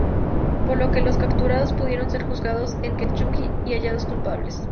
Por lo que los capturados pudieron ser juzgados en Kentucky y hallados culpables.